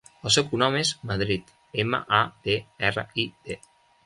El seu cognom és Madrid: ema, a, de, erra, i, de.